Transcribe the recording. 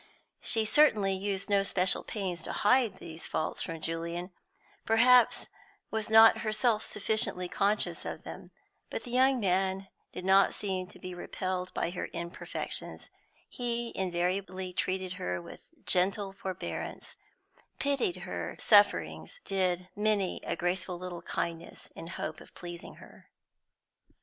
She certainly used no special pains to hide these faults from Julian, perhaps was not herself sufficiently conscious of them, but the young man did not seem to be repelled by her imperfections; he invariably treated her with gentle forbearance, pitied her sufferings, did many a graceful little kindness in hope of pleasing her.